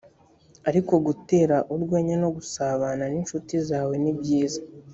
ariko gutera urwenya no gusabana n’incuti zawe ni byiza